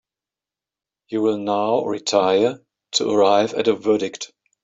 You will now retire to arrive at a verdict.